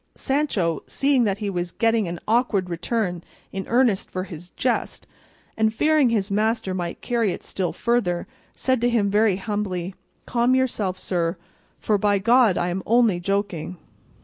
Sancho seeing that he was getting an awkward return in earnest for his jest, and fearing his master might carry it still further, said to him very humbly, "Calm yourself, sir, for by God I am only joking."